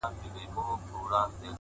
• دغه تیارې غواړي د سپینو څراغونو کیسې..